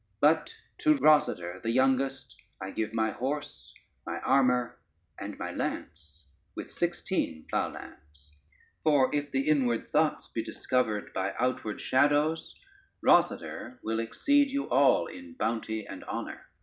But, unto Rosader, the youngest, I give my horse, my armor, and my lance, with sixteen ploughlands; for if the inward thoughts be discovered by outward shadows, Rosader will exceed you all in bounty and honor.